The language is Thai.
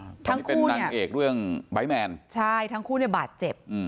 เป็นนางเอกเรื่องไบท์แมนใช่ทั้งคู่เนี่ยบาดเจ็บ